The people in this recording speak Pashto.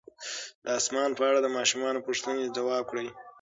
د اسمان په اړه د ماشومانو پوښتنې ځواب کړئ.